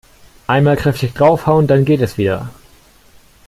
Einmal kräftig draufhauen, dann geht es wieder.